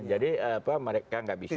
jadi apa mereka nggak bisa